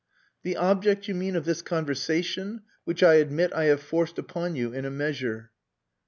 "The object, you mean, of this conversation, which I admit I have forced upon you in a measure."